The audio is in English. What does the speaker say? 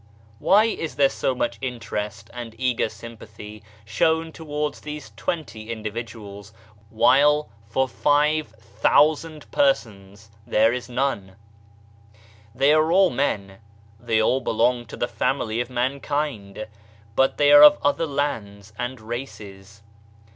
Why is there so much interest and eager sympathy shown towards these twenty individuals, while for five thousand persons there is none ? They are all men, they all belong to the family of mankind, but they are of other lands and races.